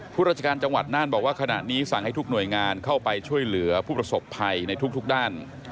ราชการจังหวัดน่านบอกว่าขณะนี้สั่งให้ทุกหน่วยงานเข้าไปช่วยเหลือผู้ประสบภัยในทุกด้าน